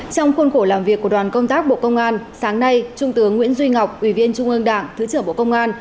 trong khuôn khổ làm việc của đoàn công tác bộ công an sáng nay trung tướng nguyễn duy ngọc ủy viên trung ương đảng thứ trưởng bộ công an